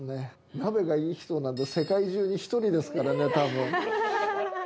鍋がいい人なんて、世界中に一人ですからね、たぶん。